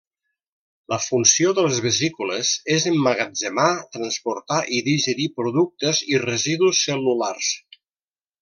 La funció de les vesícules és emmagatzemar, transportar i digerir productes i residus cel·lulars.